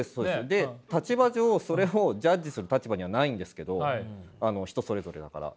で立場上それをジャッジする立場にはないんですけどあの人それぞれだから。